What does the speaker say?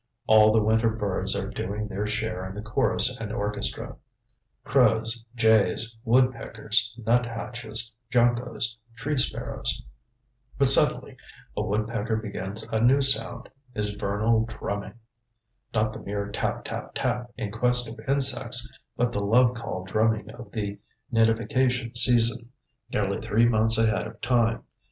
All the winter birds are doing their share in the chorus and orchestra; crows, jays, woodpeckers, nut hatches, juncos, tree sparrows. But suddenly a woodpecker begins a new sound, his vernal drumming! Not the mere tap, tap, tap, in quest of insects, but the love call drumming of the nidification season, nearly three months ahead of time.